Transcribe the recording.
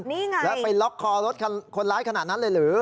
นี่ไงแล้วไปล็อกคอรถคนร้ายขนาดนั้นเลยหรือ